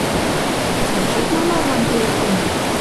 Лачок ма марлан кеет тӹньӹ?